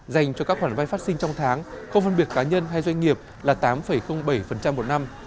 dành cho các khoản vay phát sinh trong tháng không phân biệt cá nhân hay doanh nghiệp là tám bảy một năm